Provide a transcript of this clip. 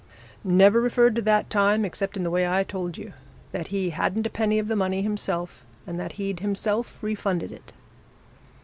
"Never referred to that time except in the way I told you that he hadn't a penny of the money, himself and that he'd himself refunded it."